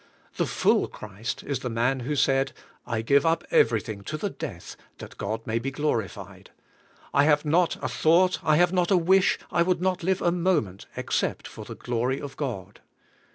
The full Christ is the man who said, "I give up every thing to the death that God may be glorified. I have not a thought ; I have not a wish ; I would not live a moment except for the glory of God."